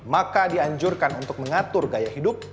maka dianjurkan untuk mengatur gaya hidup